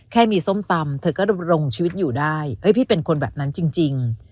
แค่มีส้มตำเธอก็ดำรงชีวิตอยู่ได้พี่เป็นคนแบบนั้นจริง